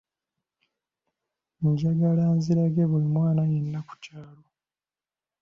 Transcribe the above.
Njagala nzirage buli mwana yenna ku kyalo.